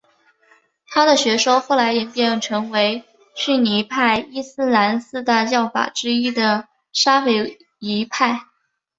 他的学说后来演变成为逊尼派伊斯兰四大教法学之一的沙斐仪派。